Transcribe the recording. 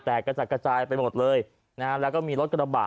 แต่กระจัดกระจายไปหมดเลยนะฮะแล้วก็มีรถกระบะ